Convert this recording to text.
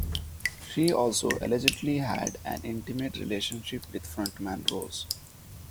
She also allegedly had an intimate relationship with frontman Rose.